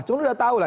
cuma udah tau lah